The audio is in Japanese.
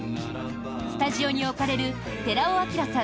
スタジオに置かれる寺尾聰さん